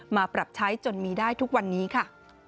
มาปรับใช้จนมีได้ทุกวันนี้ค่ะ